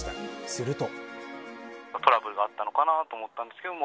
すると。